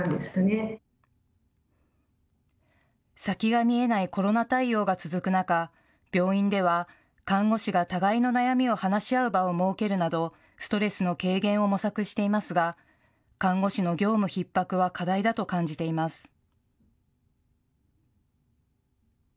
先が見えないコロナ対応が続く中、病院では看護師が互いの悩みを話し合う場を設けるなどストレスの軽減を模索していますが、看護師の業務ひっ迫は課題だと感じています。